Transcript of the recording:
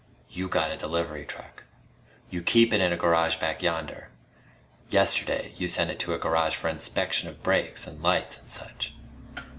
"You got a delivery truck. You keep it in a garage back yonder. Yesterday you sent it to a garage for inspection of brakes an' lights an' such."